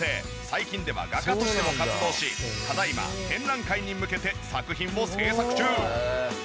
最近では画家としても活動しただ今展覧会に向けて作品を制作中。